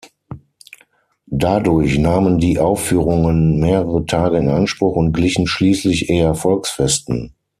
Dadurch nahmen die Aufführungen mehrere Tage in Anspruch und glichen schließlich eher Volksfesten.